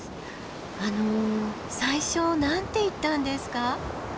あの最初何て言ったんですか？